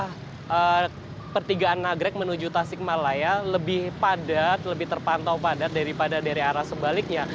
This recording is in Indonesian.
karena pertigaan nagrek menuju tasik malaya lebih padat lebih terpantau padat daripada dari arah sebaliknya